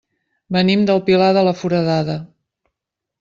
Venim del Pilar de la Foradada.